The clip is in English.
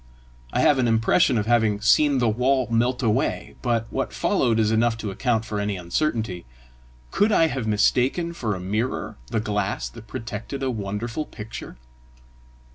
I have an impression of having seen the wall melt away, but what followed is enough to account for any uncertainty: could I have mistaken for a mirror the glass that protected a wonderful picture?